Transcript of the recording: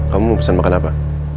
kamu mau pesan makan apa